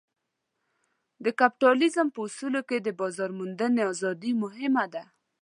کپیټالیزم په اصولو کې د بازار موندنې ازادي مهمه ده.